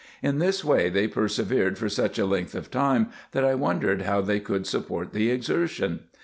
In this they persevered for such a length of time, that I wondered how they could support the exertion.